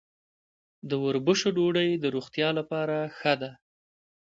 د وربشو ډوډۍ د روغتیا لپاره ښه ده.